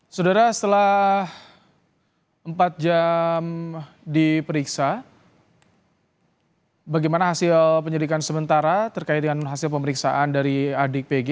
saudara setelah empat jam diperiksa bagaimana hasil penyelidikan sementara terkait dengan hasil pemeriksaan dari adik pg